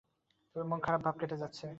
তাঁর মন-খারাপ ভাব কেটে যাচ্ছে।